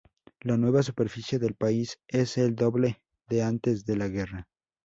La nueva superficie del país es el doble de antes de la guerra.